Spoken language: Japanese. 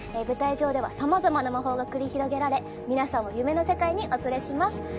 舞台上では様々な魔法が繰り広げられ皆さんを夢の世界にお連れします